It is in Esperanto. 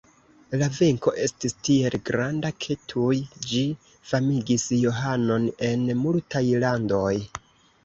La venko estis tiel granda, ke tuj ĝi famigis Johanon en multaj landoj.